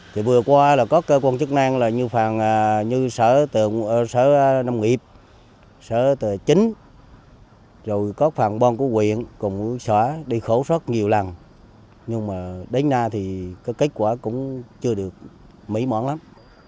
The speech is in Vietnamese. thì vừa qua là có cơ quan chức năng là như sở nông nghiệp sở tờ chính rồi có phần bôn của quyền cùng sở đi khổ sốt nhiều lần nhưng mà đến nay thì cái kết quả cũng chưa được mỹ mõn lắm